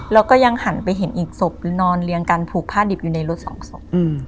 แล้วก็ยังหันไปเห็นอีกศพหรือนอนเรียงกันผูกผ้าดิบอยู่ในรถสองศพ